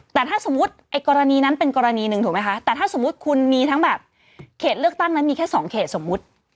แต่ถ้าสมมุติไอ้กรณีนั้นเป็นกรณีหนึ่งถูกไหมคะแต่ถ้าสมมุติคุณมีทั้งแบบเขตเลือกตั้งนั้นมีแค่สองเขตสมมุติ